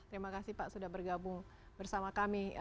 terima kasih pak sudah bergabung bersama kami